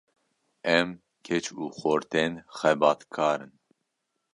Em keç û xortên xebatkar in.